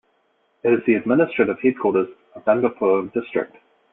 It is the administrative headquarters of Dungarpur District.